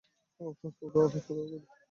ওহ খোদা, ওহ খোদা, ওহ খোদা!